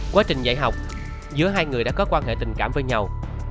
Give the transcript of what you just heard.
quá trình dạy học giữa hai người đã có quan hệ tình cảm với nhau